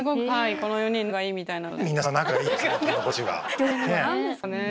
この４人仲がいいみたいなので。